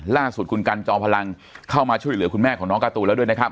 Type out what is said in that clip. ล่าสุดคุณกันจอมพลังเข้ามาช่วยเหลือคุณแม่ของน้องการ์ตูนแล้วด้วยนะครับ